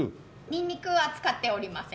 ニンニクは使っておりません。